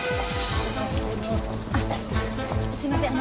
あっすいません。